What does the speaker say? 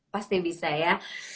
pasti bisa ya